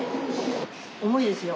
重いですよ。